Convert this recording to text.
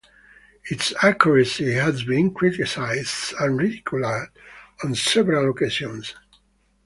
Its accuracy has been criticized and ridiculed on several occasions.